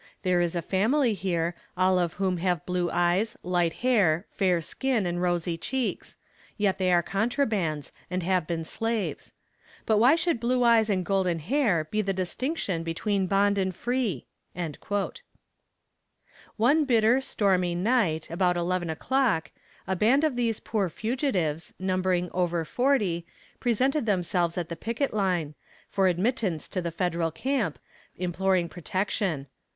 There is a family here, all of whom have blue eyes, light hair, fair skin and rosy cheeks; yet they are contrabands, and have been slaves. But why should blue eyes and golden hair be the distinction between bond and free?" One bitter, stormy night, about eleven o'clock, a band of these poor fugitives, numbering over forty, presented themselves at the picket line, for admittance to the federal camp, imploring protection.